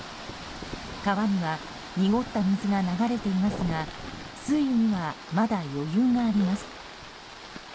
川には濁った水が流れていますが水位にはまだ余裕があります。